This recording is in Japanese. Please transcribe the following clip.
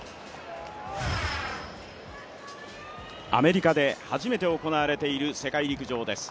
アメリカで初めて行われている世界陸上です。